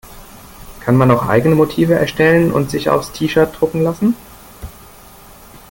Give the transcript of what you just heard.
Kann man auch eigene Motive erstellen und sich aufs T-shirt drucken lassen?